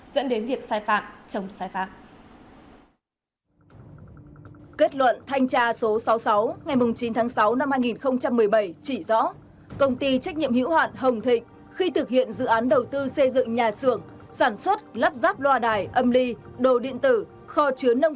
dẫn đến việc sai phạm trong sai phạm